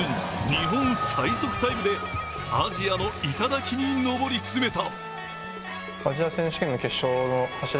日本最速タイムでアジアの頂に登り詰めた。